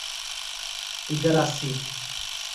Igaracy